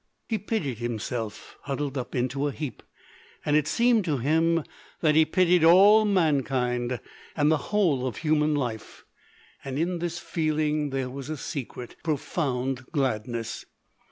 He pitied himself huddled up into a heap, and it seemed to him that he pitied all mankind and the whole of human life, and in this feeling there was a secret, profound gladness.